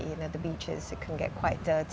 di pantai bisa terlalu berat